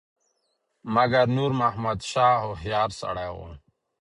مګر نور محمد شاه هوښیار سړی وو.